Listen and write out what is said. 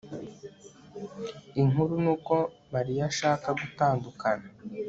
Inkuru nuko Mariya ashaka gutandukana